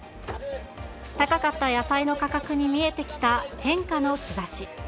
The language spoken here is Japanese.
高かった野菜の価格に見えてきた変化の兆し。